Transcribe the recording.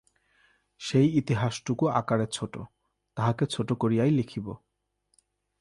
সেই ইতিহাসটুকু আকারে ছোটো, তাহাকে ছোটো করিয়াই লিখিব।